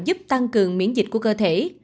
giúp tăng cường miễn dịch của cơ thể